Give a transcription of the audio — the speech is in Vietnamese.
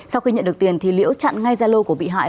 sau khi nhận được tiền thì liễu chặn ngay gia lô của bị hại